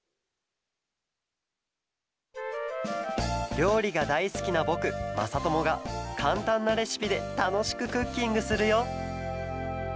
りょうりがだいすきなぼくまさともがかんたんなレシピでたのしくクッキングするよ